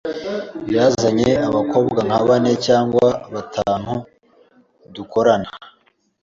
Yazanye abakobwa nka bane cyangwa batanu dukorana.